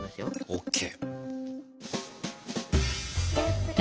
ＯＫ。